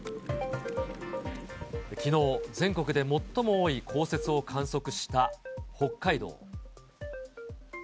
きのう、全国で最も多い降雪を観測した北海道。